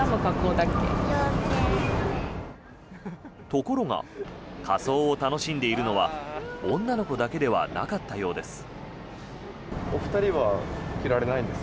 ところが仮装を楽しんでいるのは女の子だけではなかったようです。